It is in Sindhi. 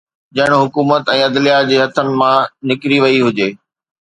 ڄڻ حڪومت ۽ عدليه جي هٿن مان نڪري وئي هجي